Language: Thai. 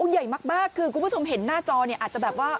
ใหญ่มากคือคุณผู้ชมเห็นหน้าจอเนี่ยอาจจะแบบว่า